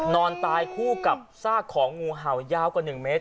นอนตายคู่กับสร้างของงูเห่ายาวกว่าหนึ่งเมตร